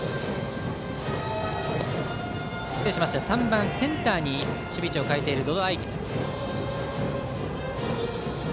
３番センターに守備位置を変えている百々愛輝。